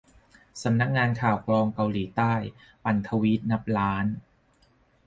สำนักงานข่าวกรองเกาหลีใต้ ปั่นทวีตนับล้าน